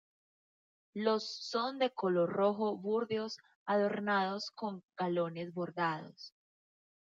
Los son de color rojo-burdeos adornados con galones bordados.